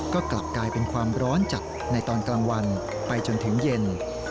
ก็กลับกลายเป็นความร้อนจัดในตอนกลางวันไปจนถึงเย็น